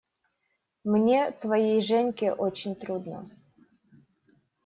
Мне, твоей Женьке, очень трудно.